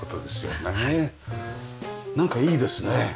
なんかいいですね